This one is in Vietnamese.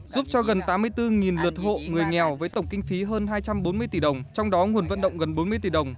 giúp cho gần tám mươi bốn lượt hộ người nghèo với tổng kinh phí hơn hai trăm bốn mươi tỷ đồng trong đó nguồn vận động gần bốn mươi tỷ đồng